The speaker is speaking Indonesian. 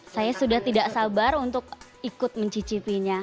saya sudah tidak sabar untuk ikut mencicipinya